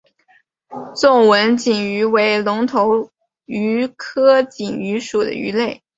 纵纹锦鱼为隆头鱼科锦鱼属的鱼类。